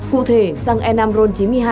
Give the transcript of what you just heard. cụ thể xăng e năm ron chín mươi hai